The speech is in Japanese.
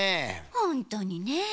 ほんとにねえ。